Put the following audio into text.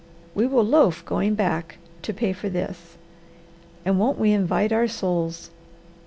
We will loaf going back to pay for this! And won't we invite our souls?